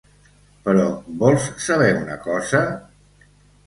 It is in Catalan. Però, vols saber una cosa?